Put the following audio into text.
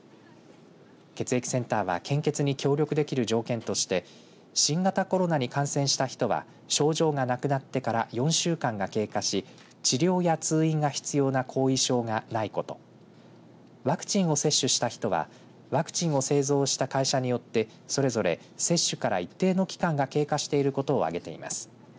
血液センターは献血に協力できる条件として新型コロナに感染した人は症状がなくなってから４週間が経過し治療や通院が必要な後遺症がないことワクチンを接種した人はワクチンを製造した会社によってそれぞれ接種から一定の期間が経過していることを挙げています。